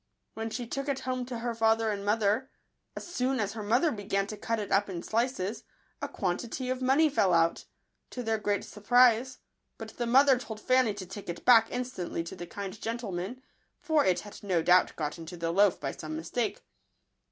When she took it home to her father and mother, as soon as her mother began to cut it up in slices, a quantity of money fell out, to their great surprise ; but the mother told Fanny to take it back instantly to the kind gentleman, for it had no doubt got into the loaf by some mistake.